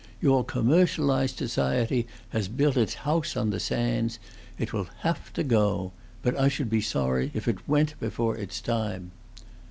Your commercialized society has built its house on the sands. It will have to go. But I should be sorry if it went before its time."